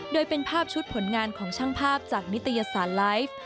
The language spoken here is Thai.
โดยเป็นภาพชุดผลงานของช่างภาพจากนิตยสารไลฟ์